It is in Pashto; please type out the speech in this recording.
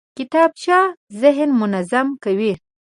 کتابچه ذهن منظم کوي